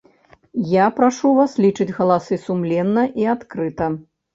Я прашу вас лічыць галасы сумленна і адкрыта.